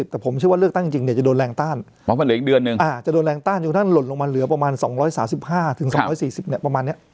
แต่ผมเชื่อว่าเลือกตั้งจริงจะโดนแรงต้านอ่าจะโดนแรงต้านอยู่ทั้งลดลงมาเหลือประมาณ๒๓๕๒๔๐เนี่ยประมาณเนี่ย